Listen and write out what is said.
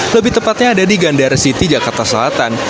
lebih tepatnya ada di gandara city jakarta selatan